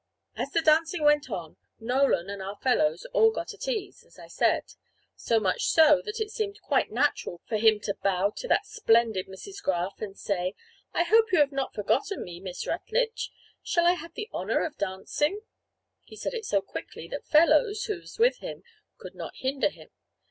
As the dancing went on, Nolan and our fellows all got at ease, as I said: so much so, that it seemed quite natural for him to bow to that splendid Mrs. Graff and say: "I hope you have not forgotten me, Miss Rutledge. Shall I have the honour of dancing?" He did it so quickly, that Fellows, who was with him, could not hinder him.